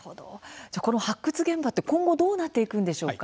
この発掘現場今後どうなっていくのでしょうか。